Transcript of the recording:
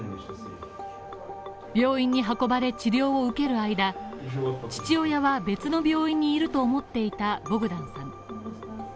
病院に運ばれ治療を受ける間、父親は別の病院にいると思っていたボグダンさん。